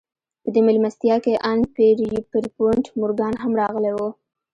په دې مېلمستيا کې ان پيرپونټ مورګان هم راغلی و.